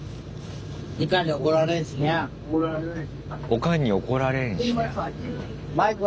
「おかんに怒られんしにゃ」。